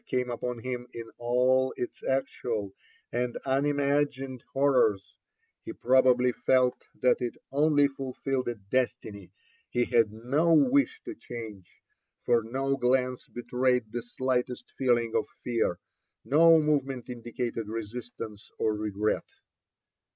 came upon him in all its actual and unimagined hor rors, he probably felt that it only fulQlled a destiny he had no wish to change, for no glance betrayed the slightest feeling of fear, no move ment indicated resistance orregret.